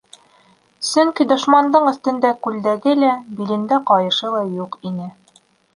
Сөнки «дошмандың» өҫтөндә күлдәге лә, билендә ҡайышы ла юҡ ине.